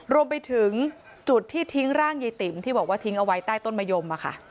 รวมไปถึงจุดที่ทิ้งร่างยายติ๋มที่บอกว่าทิ้งเอาไว้ใต้ต้นมะยม